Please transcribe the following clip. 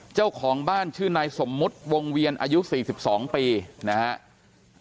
เจ้าของบ้านชื่อนายสมมุติวงเวียนอายุ๔๒ปีนะฮะ